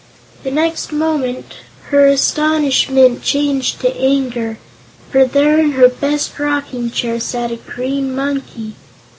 The next moment her astonishment changed to anger, for there, in her best rocking chair, sat a Green Monkey.